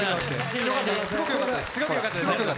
すごくよかったです。